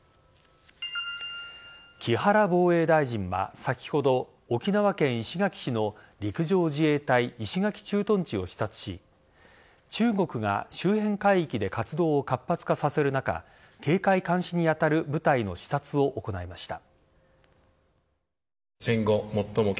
木原防衛大臣は先ほど沖縄県石垣市の陸上自衛隊石垣駐屯地を視察し中国が周辺海域で活動を活発化させる中警戒監視に当たる部隊の視察を行いました。